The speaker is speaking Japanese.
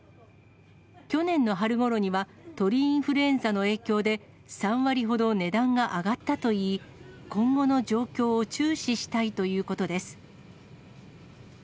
去年の春ごろには、鳥インフルエンザの影響で、３割ほど値段が上がったといい、今後の状況を注視したいということです。